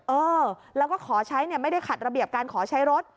เออแล้วก็ขอใช้ไม่ได้ขัดระเบียบการขอใช้รถ